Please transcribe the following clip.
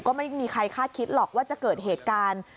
ก็ไม่มีใครคาดคิดหรอกว่าจะเกิดเหตุการณ์